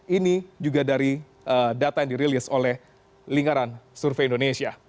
ini juga dari data yang dirilis oleh lingkaran survei indonesia